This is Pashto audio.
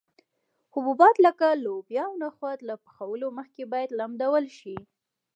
حبوبات لکه لوبیا او نخود له پخولو مخکې باید لمدول شي.